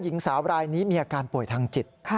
หญิงสาวรายนี้มีอาการป่วยทางจิต